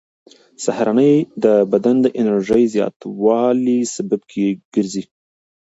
سهارنۍ د بدن د انرژۍ زیاتوالي سبب ګرځي.